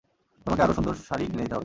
তোমাকে আরও সুন্দর শাড়ি কিনে দিতে হবে।